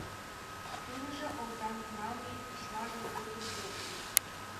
Тудыжо Озаҥ налме письмажым лудын пуыш.